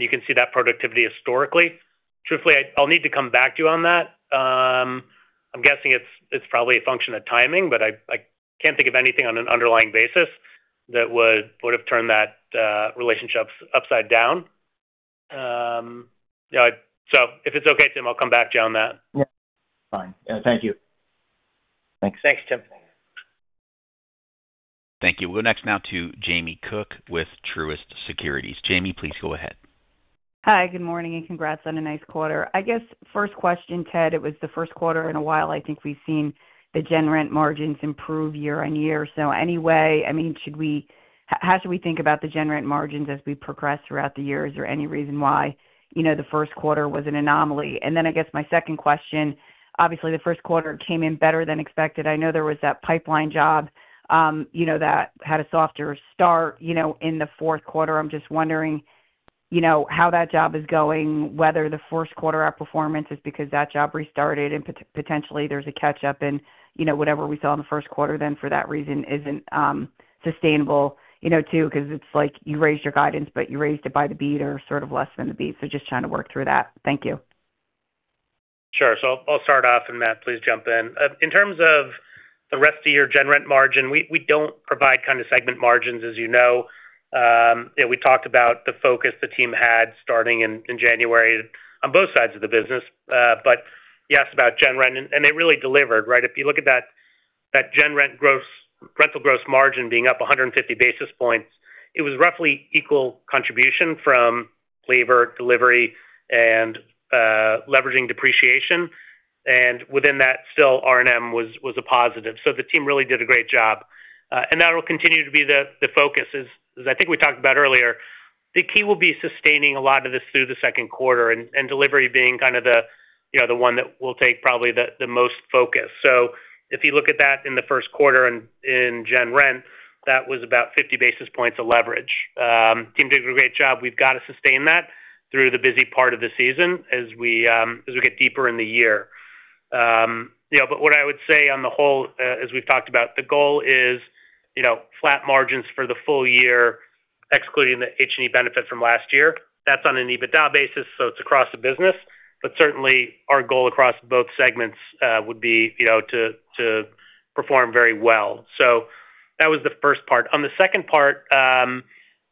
You can see that productivity historically. Truthfully, I'll need to come back to you on that. I'm guessing it's probably a function of timing, but I can't think of anything on an underlying basis that would've turned that relationship upside down. If it's okay, Tim, I'll come back to you on that.
Yeah. Fine. Thank you.
Thanks, Tim.
Thank you. We'll go next now to Jamie Cook with Truist Securities. Jamie, please go ahead.
Hi, good morning, and congrats on a nice quarter. I guess first question, Ted, it was the first quarter in a while I think we've seen the general rentals margins improve year-over-year. How should we think about the general rentals margins as we progress throughout the year? Is there any reason why the first quarter was an anomaly? Then I guess my second question, obviously, the first quarter came in better than expected. I know there was that pipeline job that had a softer start in the fourth quarter. I'm just wondering how that job is going, whether the first quarter outperformance is because that job restarted and potentially there's a catch-up in whatever we saw in the first quarter then for that reason isn't sustainable, too, because it's like you raised your guidance, but you raised it by the beat or sort of less than the beat. Just trying to work through that. Thank you.
Sure. I'll start off, and Matt, please jump in. In terms of the rest of your gen rent margin, we don't provide kind of segment margins, as you know. We talked about the focus the team had starting in January on both sides of the business. You asked about gen rent, and they really delivered, right? If you look at that gen rent gross, rental gross margin being up 150 basis points, it was roughly equal contribution from labor, delivery, and leveraging depreciation. Within that, still R&M was a positive. The team really did a great job. That'll continue to be the focus is, as I think we talked about earlier. The key will be sustaining a lot of this through the second quarter and delivery being kind of the one that will take probably the most focus. If you look at that in the first quarter in Gen Rent, that was about 50 basis points of leverage. Team did a great job. We've got to sustain that through the busy part of the season as we get deeper in the year. What I would say on the whole, as we've talked about, the goal is flat margins for the full year, excluding the H&E benefit from last year. That's on an EBITDA basis, so it's across the business. Certainly, our goal across both segments would be to perform very well. That was the first part. On the second part,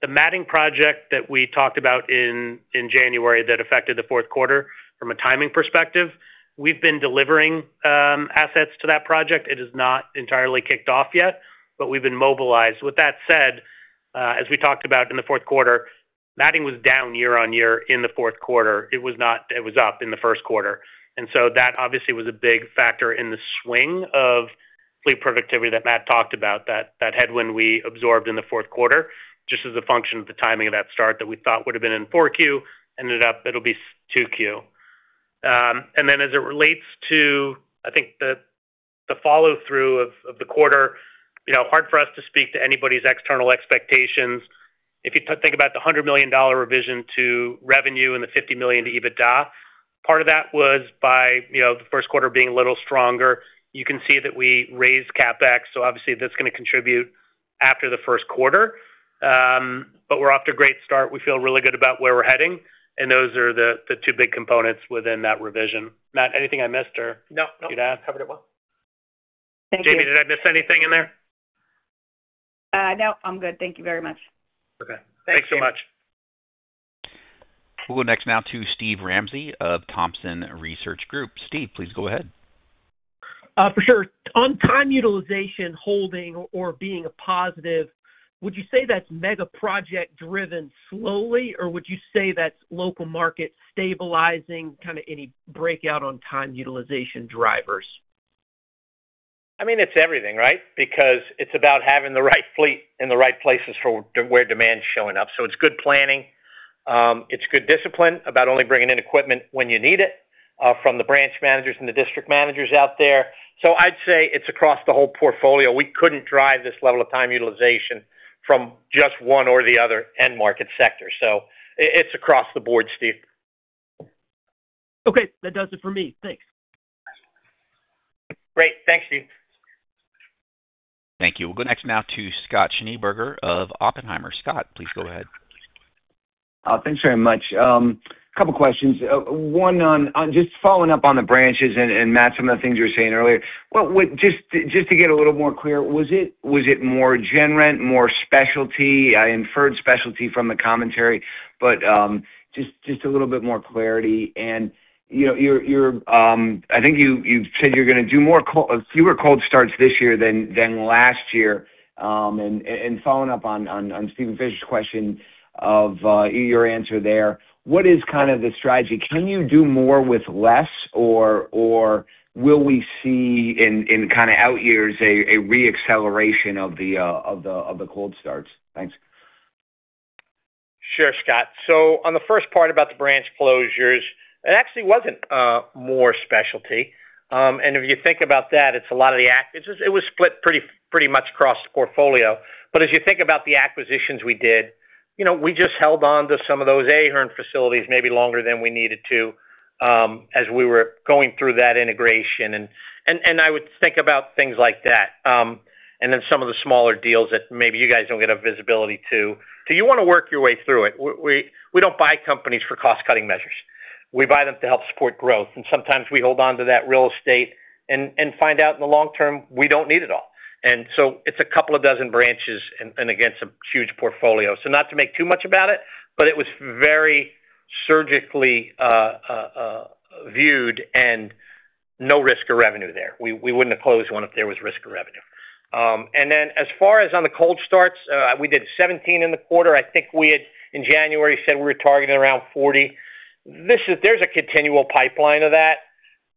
the matting project that we talked about in January that affected the fourth quarter from a timing perspective, we've been delivering assets to that project. It is not entirely kicked off yet, but we've been mobilized. With that said, as we talked about in the fourth quarter, matting was down year-on-year in the fourth quarter. It was up in the first quarter. That obviously was a big factor in the swing of fleet productivity that Matt talked about, that headwind we absorbed in the fourth quarter, just as a function of the timing of that start that we thought would have been in 4Q ended up it'll be 2Q. As it relates to, I think, the follow-through of the quarter, hard for us to speak to anybody's external expectations. If you think about the $100 million revision to revenue and the $50 million to EBITDA, part of that was by the first quarter being a little stronger. You can see that we raised CapEx, so obviously that's going to contribute after the first quarter. We're off to a great start. We feel really good about where we're heading, and those are the two big components within that revision. Matt, anything I missed or?
No.
You'd add?
Covered it well.
Thank you. Jamie, did I miss anything in there?
No, I'm good. Thank you very much.
Okay. Thanks so much.
We'll go next now to Steve Ramsey of Thompson Research Group. Steve, please go ahead.
For sure. On time utilization holding or being a positive, would you say that's mega project driven solely, or would you say that's local market stabilizing, kind of any breakout on time utilization drivers?
I mean, it's everything, right? Because it's about having the right fleet in the right places for where demand's showing up. It's good planning. It's good discipline about only bringing in equipment when you need it from the Branch Managers and the District Managers out there. I'd say it's across the whole portfolio. We couldn't drive this level of time utilization from just one or the other end market sector. It's across the board, Steve.
Okay. That does it for me. Thanks.
Great. Thanks, Steve.
Thank you. We'll go next now to Scott Schneeberger of Oppenheimer. Scott, please go ahead.
Thanks very much. Couple of questions. One on just following up on the branches and Matt, some of the things you were saying earlier. Just to get a little more clear, was it more gen rent, more specialty? I inferred specialty from the commentary, but just a little bit more clarity. I think you said you're going to do fewer cold starts this year than last year. Following up on Steven Fisher's question of your answer there, what is kind of the strategy? Can you do more with less, or will we see in kind of out years a re-acceleration of the cold starts? Thanks.
Sure, Scott. On the first part about the branch closures, it actually wasn't more specialty. If you think about that, it was split pretty much across the portfolio. As you think about the acquisitions we did, we just held on to some of those Ahern facilities maybe longer than we needed to as we were going through that integration. I would think about things like that. Then some of the smaller deals that maybe you guys don't get a visibility to. You want to work your way through it. We don't buy companies for cost-cutting measures. We buy them to help support growth. Sometimes we hold on to that real estate and find out in the long term, we don't need it all. It's a couple of dozen branches and again, some huge portfolios. Not to make too much about it, but it was very surgically viewed and no risk of revenue there. We wouldn't have closed one if there was risk of revenue. As far as on the cold starts, we did 17 in the quarter. I think we had in January said we were targeting around 40. There's a continual pipeline of that.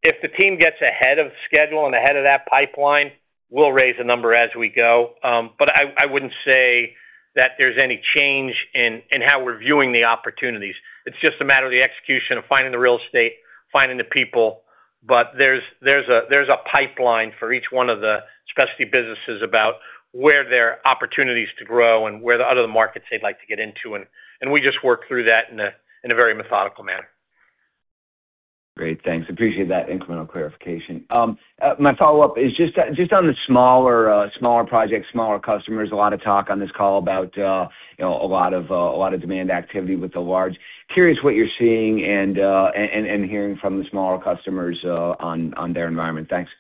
If the team gets ahead of schedule and ahead of that pipeline, we'll raise the number as we go. I wouldn't say that there's any change in how we're viewing the opportunities. It's just a matter of the execution of finding the real estate, finding the people. There's a pipeline for each one of the specialty businesses about where there are opportunities to grow and where the other markets they'd like to get into. We just work through that in a very methodical manner.
Great. Thanks. Appreciate that incremental clarification. My follow-up is just on the smaller projects, smaller customers, a lot of talk on this call about a lot of demand activity with the large. Curious what you're seeing and hearing from the smaller customers on their environment? Thanks.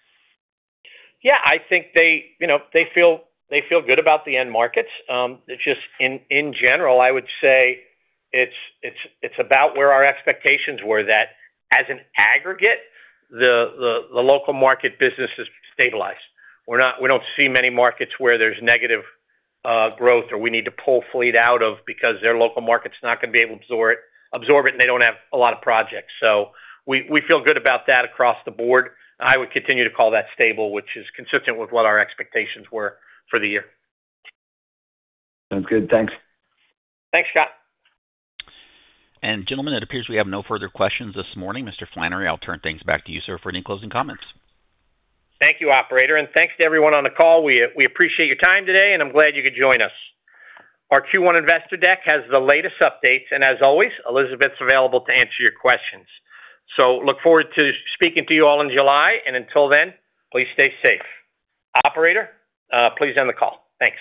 Yeah, I think they feel good about the end markets. It's just in general, I would say it's about where our expectations were that as an aggregate, the local market business has stabilized. We don't see many markets where there's negative growth or we need to pull fleet out of because their local market's not going to be able to absorb it, and they don't have a lot of projects. We feel good about that across the board. I would continue to call that stable, which is consistent with what our expectations were for the year.
Sounds good. Thanks.
Thanks, Scott.
Gentlemen, it appears we have no further questions this morning. Mr. Flannery, I'll turn things back to you, sir, for any closing comments.
Thank you, operator. Thanks to everyone on the call. We appreciate your time today, and I'm glad you could join us. Our Q1 investor deck has the latest updates, and as always, Elizabeth's available to answer your questions. Look forward to speaking to you all in July, and until then, please stay safe. Operator, please end the call. Thanks.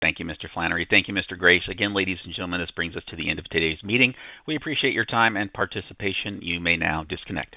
Thank you, Mr. Flannery. Thank you, Mr. Grace. Again, ladies and gentlemen, this brings us to the end of today's meeting. We appreciate your time and participation. You may now disconnect.